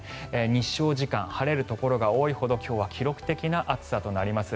日照時間晴れるところが多いほど今日は記録的な暑さとなります。